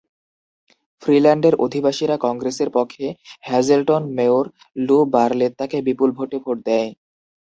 ফ্রিল্যান্ডের অধিবাসীরা কংগ্রেসের পক্ষে হ্যাজেলটন মেয়র লু বারলেত্তাকে বিপুল ভোটে ভোট দেয়।